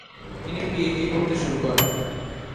তিনি পিএইচডি করতে শুরু করেন।